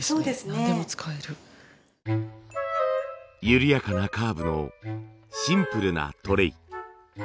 緩やかなカーブのシンプルなトレイ。